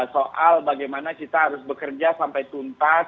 soal bagaimana kita harus bekerja sampai tuntas